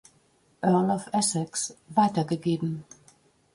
Earl of Essex, weitergegeben.